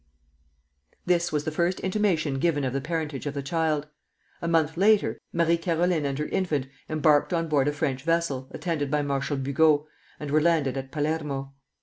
This was the first intimation given of the parentage of the child. A mouth later, Marie Caroline and her infant embarked on board a French vessel, attended by Marshal Bugeaud, and were landed at Palermo.